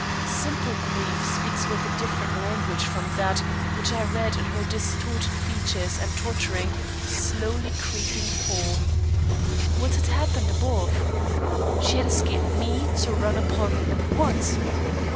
Simple grief speaks with a different language from that which I read in her distorted features and tottering, slowly creeping form. What had happened above? She had escaped me to run upon what?